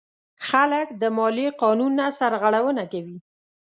خلک د مالیې قانون نه سرغړونه کوي.